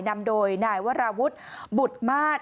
นำโดยนายวราวุฒิบุตรมาส